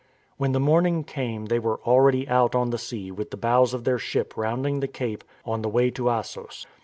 When the morning came they were already out on the sea with the bows of their ship rounding the cape on the way to Assos.